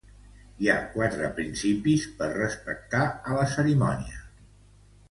Hi ha quatre principis per respectar a la cerimònia.